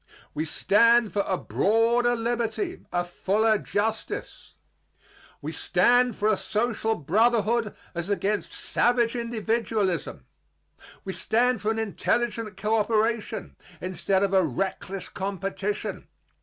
We stand for a broader liberty, a fuller justice. We stand for a social brotherhood as against savage individualism. We stand for an intelligent coöperation instead of a reckless competition.